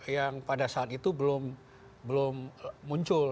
yang pada saat itu belum muncul